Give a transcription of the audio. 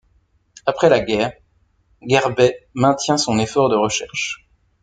Après la guerre, Guerbet maintient son effort de recherche.